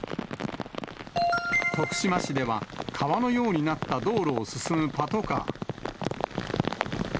徳島市では川のようになった道路を進むパトカー。